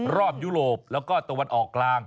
ยุโรปแล้วก็ตะวันออกกลาง